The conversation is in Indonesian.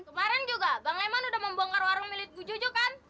kemarin juga bang leman udah membongkar warung milik bu jojo kan